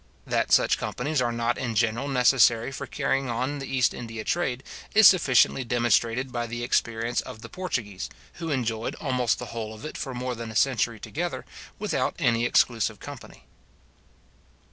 That such companies are not in general necessary for carrying on the East India trade, is sufficiently demonstrated by the experience of the Portuguese, who enjoyed almost the whole of it for more than a century together, without any exclusive company.